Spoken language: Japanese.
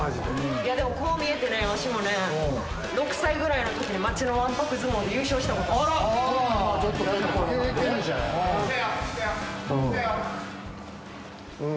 いや、でも、こう見えてね、わしもね、６歳ぐらいのときに、町のわんぱく相撲で優勝したこといけんじゃん。